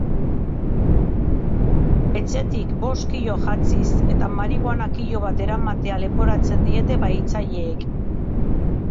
Etxetik bost kilo haxix eta marihuana kilo bat eramatea leporatzen diete bahitzaileek.